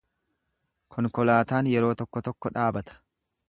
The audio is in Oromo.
Konkolaataan yeroo tokko tokko dhaabata.